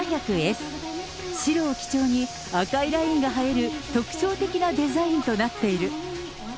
白を基調に赤いラインが入る特徴的なデザインとなっている。